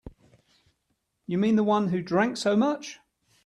You mean the one who drank so much?